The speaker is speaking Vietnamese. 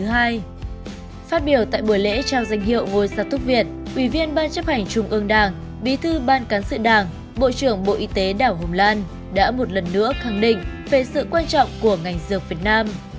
phát biểu tại buổi lễ trao danh hiệu ngôi sao thúc viện ủy viên ban chấp hành trung ương đảng bí thư ban cán sự đảng bộ trưởng bộ y tế đảo hùng lan đã một lần nữa khẳng định về sự quan trọng của ngành dược việt nam